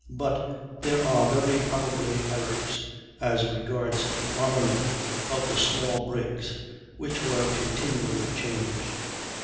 But there are very probably errors as regards the armaments of the small brigs, which were continually changed.